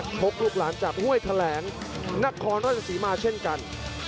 ยกธิริชัยนักชกลูกหลานจับห้วยแถลงนักครรภ์ราชศรีมาร์เช่นกัน